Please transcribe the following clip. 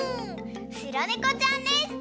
しろねこちゃんです！